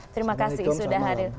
terima kasih sudah hadir